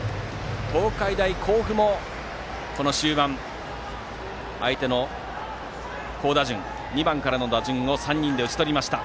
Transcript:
東海大甲府も、この終盤相手の２番からの好打順をしっかり打ち取りました。